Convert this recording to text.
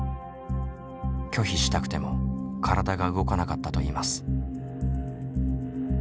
拒否したくても体が動かなかったといいます。